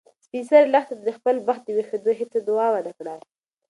سپین سرې لښتې ته د خپل بخت د ویښېدو هیڅ دعا ونه کړه.